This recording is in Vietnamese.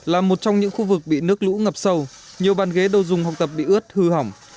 là một trong những khu vực bị nước lũ ngập sâu nhiều bàn ghế đô dùng học tập bị ướt hư hỏng